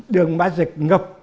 đường má dịch ngập